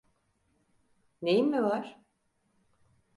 Neyim mi var?